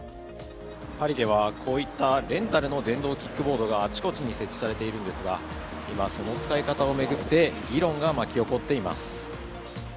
パリではこういったレンタルの電動キックボードがあちこちに設置されているんですが今、その使い方を巡って議論が巻き起こっています。